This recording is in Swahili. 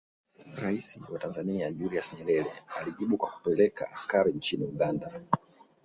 Rais wa Tanzania Julius Nyerere alijibu kwa kupeleka askari nchini Uganda